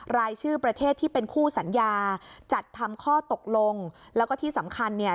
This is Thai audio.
รายชื่อประเทศที่เป็นคู่สัญญาจัดทำข้อตกลงแล้วก็ที่สำคัญเนี่ย